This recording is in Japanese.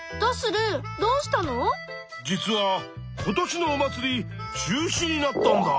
実は今年のお祭り中止になったんだ。